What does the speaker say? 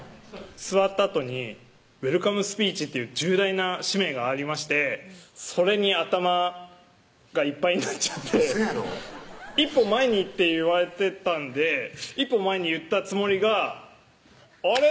座ったあとにウエルカムスピーチっていう重大な使命がありましてそれに頭がいっぱいになっちゃって「１歩前に」って言われてたんで１歩前に行ったつもりがあれ？